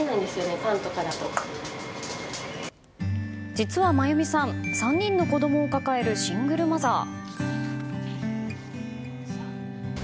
実は真弓さん３人の子供を抱えるシングルマザー。